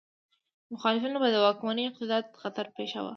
مخالفینو به د واکمنو اقتدار ته خطر پېښاوه.